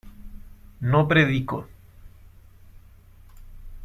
no predico